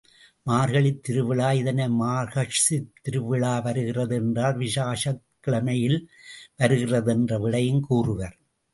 மார்கழித் திருவிழா— இதனை மார்கக்ஷதித் திருவிஷா வருகிறது என்றால் விசாஷக் கிழமையில் வருகிறது என்று விடையும் கூறுவர்.